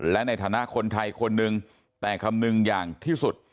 และในฐานะคนไทยคนหนึ่งแต่คำนึงอย่างที่สุด